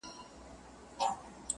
• ځوان د پوره سلو سلگيو څه راوروسته؛